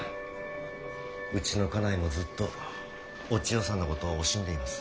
うちの家内もずっとお千代さんのことを惜しんでいます。